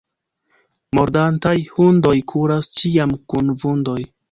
Mordantaj hundoj kuras ĉiam kun vundoj.